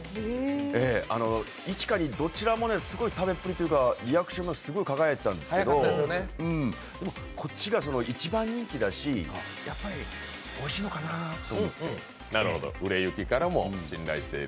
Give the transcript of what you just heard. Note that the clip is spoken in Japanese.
１か２、どちらもすごい食べっぷりというかリアクションがすごい輝いてたんですけど、でも、こっちが一番人気だし、やっぱりおいしいのかなと。